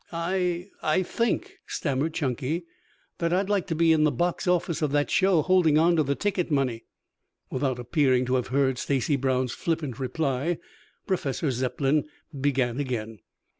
"I I think," stammered Chunky, "that I'd like to be in the box office of that show holding on to the ticket money." Without appearing to have heard Stacy Brown's flippant reply, Professor Zepplin began again.